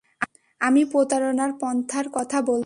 আমি প্রতারণার পন্থার কথা বলছি।